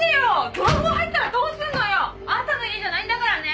泥棒入ったらどうすんのよ！あんたの家じゃないんだからね！